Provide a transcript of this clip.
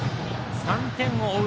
３点を追う